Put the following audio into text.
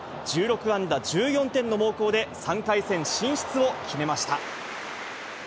１６安打１４点の猛攻で、３回戦進出を決めました。